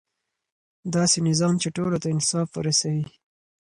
داسې نظام چې ټولو ته انصاف ورسوي.